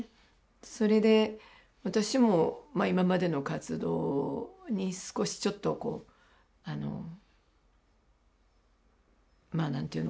それで私も今までの活動に少しちょっとこうあのまあ何というのかな